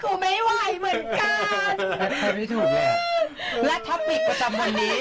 คุณแม่ลุงสอบประทุงชั้นนี้